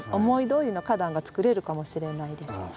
思いどおりの花壇がつくれるかもしれないです。